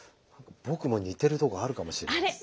僕も似てるとこあるかもしれない。